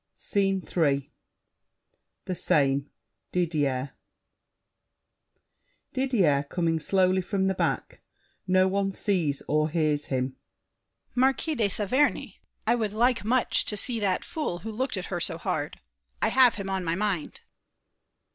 SCENE III The same. Didier DIDIER (coming slowly from the back; no one sees or hears him). Marquis de Saverny! I would like much To see that fool who looked at her so hard. I have him on my mind.